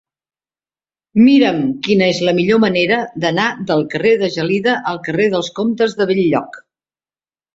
Mira'm quina és la millor manera d'anar del carrer de Gelida al carrer dels Comtes de Bell-lloc.